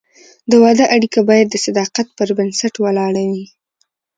د واده اړیکه باید د صداقت پر بنسټ ولاړه وي.